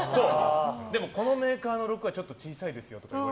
このメーカーの６はちょっと小さいですよとか。